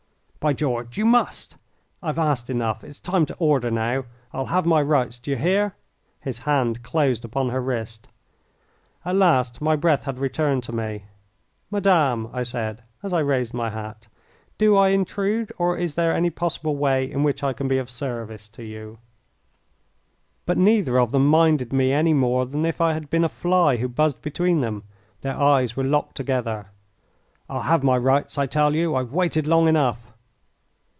"By George, you must! I've asked enough. It's time to order now. I'll have my rights, d'ye hear?" His hand closed upon her wrist. At last my breath had returned to me. "Madame," I said, as I raised my hat, "do I intrude, or is there any possible way in which I can be of service to you?" But neither of them minded me any more than if I had been a fly who buzzed between them. Their eyes were locked together. "I'll have my rights, I tell you. I've waited long enough."